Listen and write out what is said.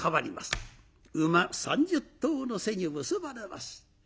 馬３０頭の背に結ばれます。